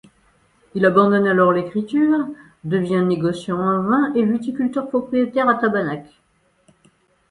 Il abandonne alors l’écriture, devient négociant en vin et viticulteur-propriétaire à Tabanac.